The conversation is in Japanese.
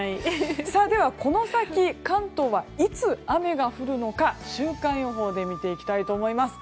では、この先関東はいつ雨が降るのか週間予報で見ていきたいと思います。